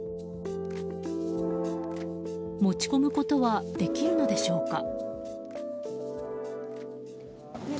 持ち込むことはできるのでしょうか。